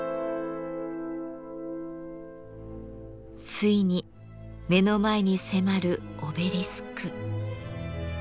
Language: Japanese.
ついに目の前に迫るオベリスク。